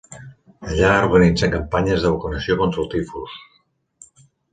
Allà organitzà campanyes de vacunació contra el tifus.